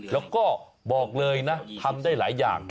แล้วก็บอกเลยนะทำได้หลายอย่าง